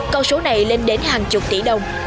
con số này lên đến hàng chục tỷ đồng